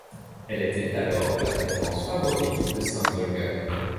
Elle était alors la résidence favorite de sainte Olga.